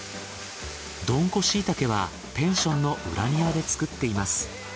どんこ椎茸はペンションの裏庭で作っています。